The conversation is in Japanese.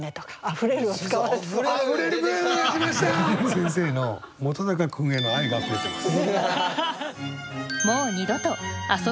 先生の本君への愛が溢れてます。